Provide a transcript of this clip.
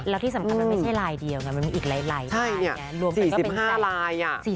แล้วที่สำคัญมันไม่ใช่ลายเดียวนะมันมีอีกหลายลาย